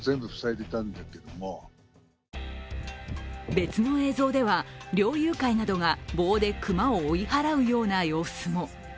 別の映像では、猟友会などが棒で熊を追い払うような様子も。